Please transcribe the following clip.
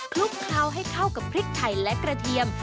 ลุกเคล้าให้เข้ากับพริกไทยและกระเทียม